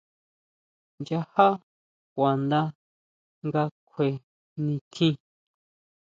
Nchajá kuanda nga kjue nitjín.